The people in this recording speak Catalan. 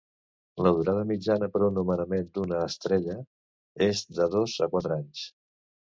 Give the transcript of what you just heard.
La durada mitjana per un nomenament d'una d'estrella és de dos a quatre anys.